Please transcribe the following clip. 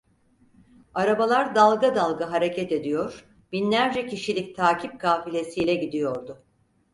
Arabalar dalga dalga hareket ediyor, binlerce kişilik takip kafilesiyle gidiyordu.